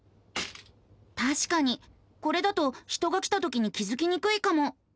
たしかにこれだと人が来たときに気付きにくいかも。